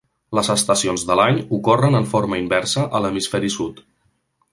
Les estacions de l'any ocorren en forma inversa a l'hemisferi sud.